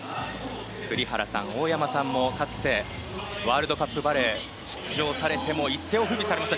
栗原さん、大山さんもかつてワールドカップバレー出場されて一世を風靡されました。